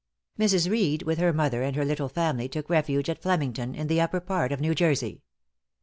Mrs. Reed with her mother and her little family took refuge at Flemington, in the upper part of New Jersey.